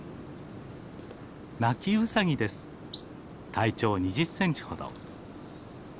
体長２０センチほど。